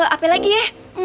apa lagi ya